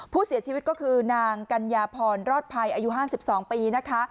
ผู้เสียชีวิตก็คือนางกัญญาพรรอดภัยอายุ๕๒ปีนะคะ